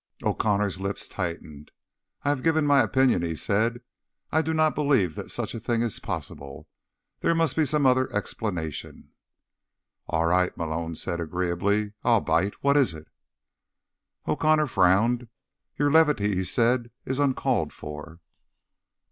O'Connor's lips tightened. "I have given my opinion," he said. "I do not believe that such a thing is possible. There must be some other explanation." "All right," Malone said agreeably. "I'll bite. What is it?" O'Connor frowned. "Your levity," he said, "is uncalled for."